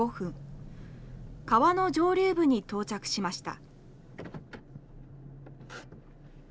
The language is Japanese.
川の上流部に到着しました。